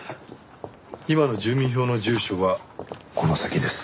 今の住民票の住所はこの先です。